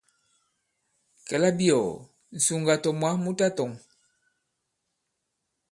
Kɛ̌ labiɔ̀ɔ̀, ŋ̀sùŋgà tɔ̀ mwǎ mu tatɔ̄ŋ.